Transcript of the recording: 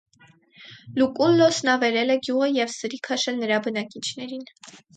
Լուկուլլոսն ավերել է գյուղը և սրի քաշել նրա բնակիչներին։